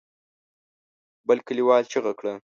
بل کليوال چيغه کړه.